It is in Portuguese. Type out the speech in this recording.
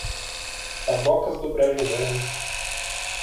Tabocas do Brejo Velho